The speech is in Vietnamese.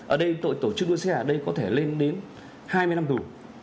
ở đây tội tổ chức đua xe ở đây có thể lên đến hai mươi năm tù